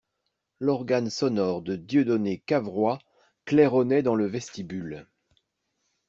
L'organe sonore de Dieudonné Cavrois claironnait dans le vestibule.